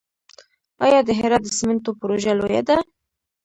آیا د هرات د سمنټو پروژه لویه ده؟